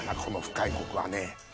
この深いコクはね。